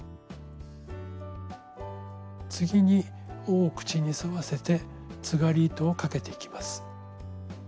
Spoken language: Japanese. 次に緒を口に沿わせてつがり糸をかけていきます。